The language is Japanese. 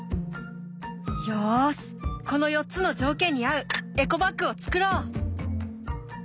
よしこの４つの条件に合うエコバッグを作ろう！